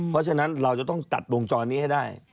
เพราะฉะนั้นเราจะต้องตัดวงจรนี้ให้ได้